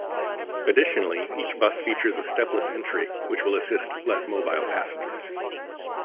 Additionally, each bus features a stepless entry, which will assist less-mobile passengers.